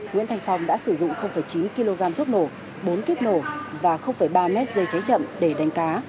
nguyễn thanh phong đã sử dụng chín kg thuốc nổ bốn kiếp nổ và ba m dây cháy chậm để đánh cá